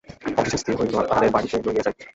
অবশেষে স্থির হইল তাহাদের বাড়িতেই লইয়া যাইবে।